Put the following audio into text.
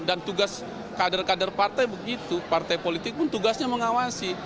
dan tugas kader kader partai begitu partai politik pun tugasnya mengawasi